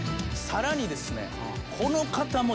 さらにですね。